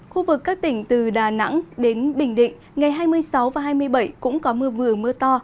khu vực các tỉnh từ đà nẵng đến bình định ngày hai mươi sáu và hai mươi bảy cũng có mưa vừa mưa to